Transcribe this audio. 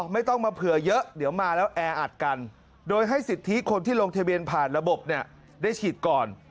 ไม่ต้องมาเผื่อเยอะเดี๋ยวมาแล้วแออัดกันโดยให้สิทธิคนที่ลงทะเบียนผ่านระบบเนี่ยได้ฉีดก่อน